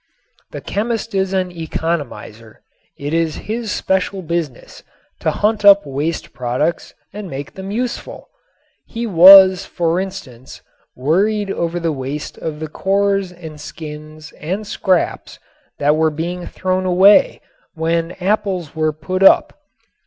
The chemist is an economizer. It is his special business to hunt up waste products and make them useful. He was, for instance, worried over the waste of the cores and skins and scraps that were being thrown away when apples were put up.